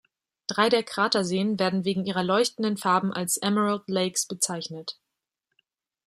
Drei der Kraterseen werden wegen ihrer leuchtenden Farben als Emerald Lakes bezeichnet.